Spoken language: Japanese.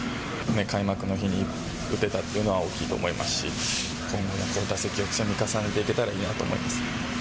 開幕の日に打てたっていうのは大きいと思いますし、今後の打席を積み重ねていけたらいいなと思います。